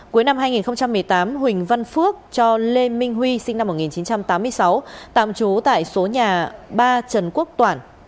cuối năm hai nghìn một mươi tám huỳnh văn phước cho lê minh huy sinh năm một nghìn chín trăm tám mươi sáu tạm trú tại số nhà ba trần quốc toản